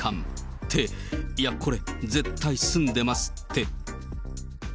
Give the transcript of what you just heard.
って、いや、これ、絶対住んでますって。